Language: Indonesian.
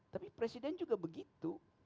tapi presiden juga begitu